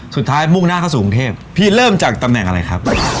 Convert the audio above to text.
มุ่งหน้าเข้าสู่กรุงเทพพี่เริ่มจากตำแหน่งอะไรครับ